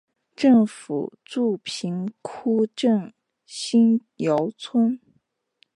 政府驻瓶窑镇新窑村。